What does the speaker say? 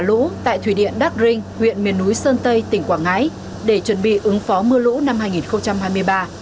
lũ tại thủy điện đắc rinh huyện miền núi sơn tây tỉnh quảng ngãi để chuẩn bị ứng phó mưa lũ năm hai nghìn hai mươi ba